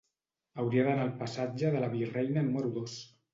Hauria d'anar al passatge de la Virreina número dos.